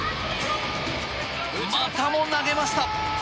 またも投げました。